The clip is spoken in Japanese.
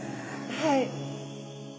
はい。